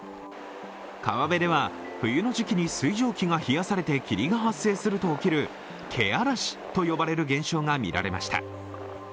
川辺では冬の時期に水蒸気が冷やされて霧が発生すると起きるけあらしと呼ばれる現象が見られました。